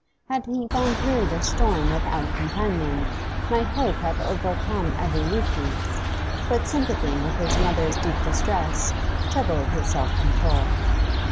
Had he gone through the storm without companion, hope might have overcome every weakness, but sympathy with his mother's deep distress troubled his self control.